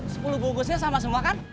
sepuluh bungkusnya sama semua kan